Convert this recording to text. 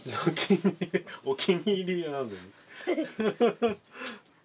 お気に入りなのに。